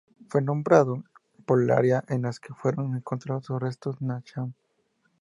Fue nombrado por el área en la que fueron encontrados sus restos, Nanchang.